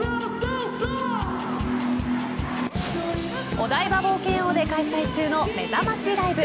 お台場冒険王で開催中のめざましライブ。